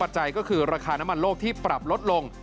มาจาก๒ปัจจัยก็คือราคาน้ำมันโลกที่ปรับลดลง